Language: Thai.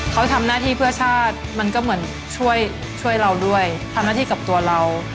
เขาทำหน้าที่เพื่อชาติมันก็เหมือนช่วยเราด้วยทำหน้าที่กับตัวเรา